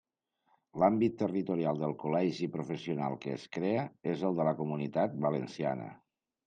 L'àmbit territorial del col·legi professional que es crea és el de la Comunitat Valenciana.